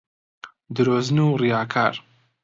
درۆزن و ڕیاکار